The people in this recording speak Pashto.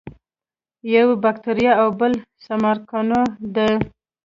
یو یې باکتریا او بل سمارقونه دي.